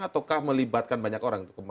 ataukah melibatkan banyak orang